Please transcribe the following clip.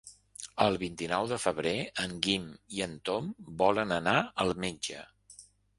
El vint-i-nou de febrer en Guim i en Tom volen anar al metge.